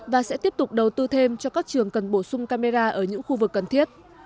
và sẽ tiếp tục đầu tư thêm cho các trường cần bổ sung camera ở những khu vực cần thiết